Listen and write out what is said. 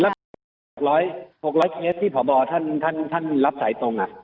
๖๐๐เคสที่ผ่อบอร์ท่านรับสายตรง